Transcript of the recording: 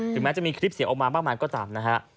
แม้จะมีคลิปเสียงออกมามากมายก็ตามนะฮะ